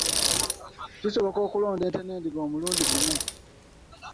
Kisoboka okulunda ente n’endiga omulundi gumu.